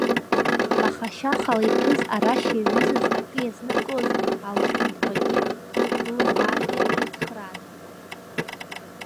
Махашьахала иҭәыз, арашь иаҩызаз, акы иазнымкылоз Алшәындбагьы длыбааргеит еицхырааны.